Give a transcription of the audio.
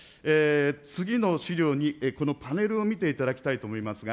次の資料２、このパネルを見ていただきたいと思います。